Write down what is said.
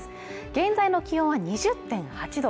現在の気温は２０．８度